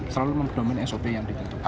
selalu mendomin sop yang ditentukan